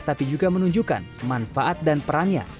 tapi juga menunjukkan manfaat dan perannya